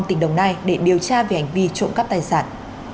tỉnh đồng nai để điều tra về hành vi trộm cắp tài sản